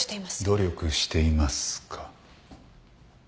「努力しています」か。